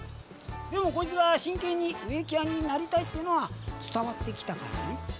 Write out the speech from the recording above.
でもコイツが真剣に植木屋になりたいってのは伝わってきたからね。